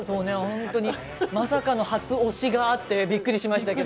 まさかの初推しがあってびっくりしましたけど。